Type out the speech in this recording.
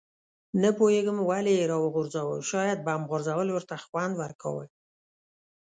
نه پوهېږم ولې یې راوغورځاوه، شاید بم غورځول ورته خوند ورکاوه.